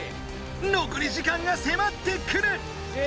残り時間がせまってくる！